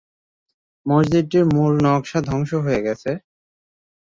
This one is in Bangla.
মসজিদটির মূল নকশা ধ্বংস হয়ে গেছে।